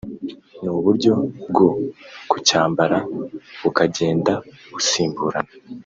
n’uburyo bwo kucyambara bukagenda busimburana